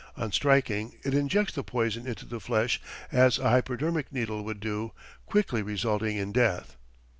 On striking, it injects the poison into the flesh as a hypodermic needle would do, quickly resulting in death.